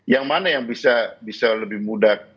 yang mana yang bisa lebih mudah